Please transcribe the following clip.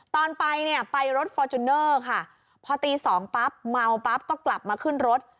ตอนไปเนี่ยไปรถฟอร์จูเนอร์ค่ะพอตีสองปั๊บเมาปั๊บก็กลับมาขึ้นรถ